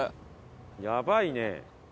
やばいね。